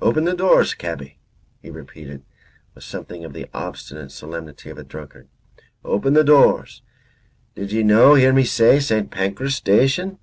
"Open the doors, cabby," he repeated, with something of the obstinate solemnity of a drunkard, "open the doors. Did ye no hear me say St. Pancras Station?"